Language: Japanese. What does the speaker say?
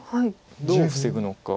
どう防ぐのか。